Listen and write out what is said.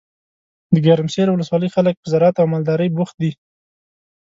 دګرمسیر ولسوالۍ خلګ په زراعت او مالدارۍ بوخت دي.